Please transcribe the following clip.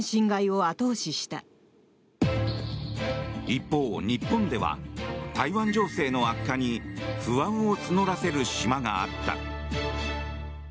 一方、日本では台湾情勢の悪化に不安を募らせる島があった。